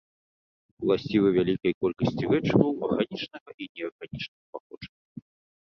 Уласцівы вялікай колькасці рэчываў арганічнага і неарганічнага паходжання.